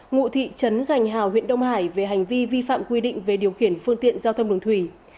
ngụ thị trấn gành hào huyện đông hải về hành vi vi phạm quy định về điều khiển phương tiện giao thông đường thủy